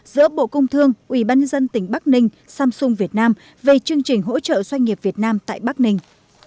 giữa bộ công thương ubnd tỉnh bắc ninh samsung việt nam về chương trình hỗ trợ doanh nghiệp việt nam tại bắc ninh